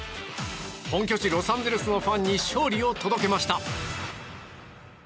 本拠地ロサンゼルスのファンに勝利を届けました。